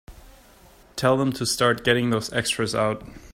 Tell them to start getting those extras out.